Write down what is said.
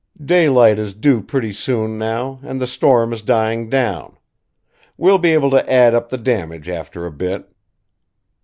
Daylight is due pretty soon, now, and the storm is dying down. We'll be able to add up the damage, after a bit."